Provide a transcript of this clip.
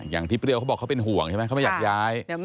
อย่างที่เปรี้ยวเขาบอกเขาเป็นห่วงใช่ไหมเขาไม่อยากย้าย